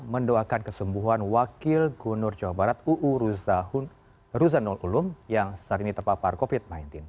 mendoakan kesembuhan wakil gubernur jawa barat uu ruzanul ulum yang saat ini terpapar covid sembilan belas